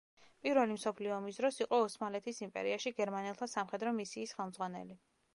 პირველი მსოფლიო ომის დროს იყო ოსმალეთის იმპერიაში გერმანელთა სამხედრო მისიის ხელმძღვანელი.